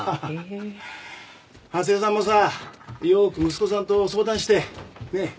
初枝さんもさよく息子さんと相談してねっ。